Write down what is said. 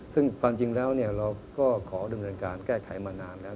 ซึ่งความจริงแล้วเราก็ขอดำเนินการแก้ไขมานานแล้ว